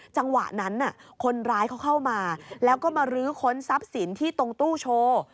จังหวะนั้นคนร้ายเขาเข้ามาแล้วก็มาลื้อค้นทรัพย์สินที่ตรงตู้โชว์